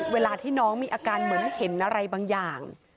เวลาที่น้องมีอาการเหมือนเห็นอะไรบางอย่าง